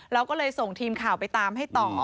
เราก็เลยส่งทีมข่าวไปตามให้ต่อ